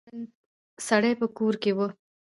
سړی په کور کې و.